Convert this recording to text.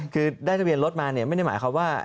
คือได้ทะเบียนรถมาเนี่ยไม่ได้หมายความว่า